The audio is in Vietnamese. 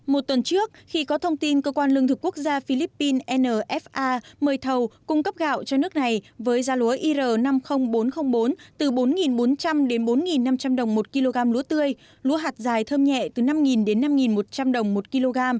một tuần trước khi có thông tin cơ quan lương thực quốc gia philippines nfa mời thầu cung cấp gạo cho nước này với giá lúa ir năm mươi nghìn bốn trăm linh bốn từ bốn bốn trăm linh đến bốn năm trăm linh đồng một kg lúa tươi lúa hạt dài thơm nhẹ từ năm đến năm một trăm linh đồng một kg